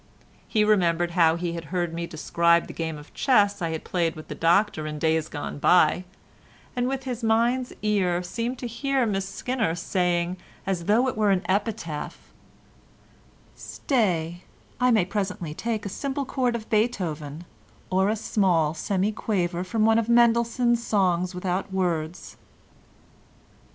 He remembered how he had heard me describe the game of chess I had played with the doctor in days gone by, and with his mind's ear seemed to hear Miss Skinner saying, as though it were an epitaph:— "Stay: I may presently take A simple chord of Beethoven, Or a small semiquaver From one of Mendelssohn's Songs without Words."